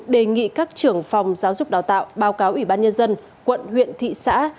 đề nghị các trưởng phòng giáo dục đào tạo báo cáo ủy ban nhân dân quận huyện thị xã